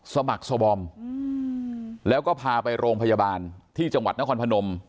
สมัครสบอมแล้วก็พาไปโรงพยาบาลที่จังหวัดนครพนม